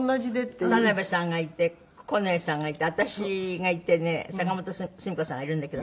この写真ね田辺さんがいて九重さんがいて私がいてね坂本スミ子さんがいるんだけど。